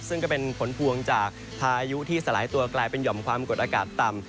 ซึ่งก็เป็นผลพวงจากพายุที่สลายตัวกลายเป็นห่อมความกดอากาศต่ำ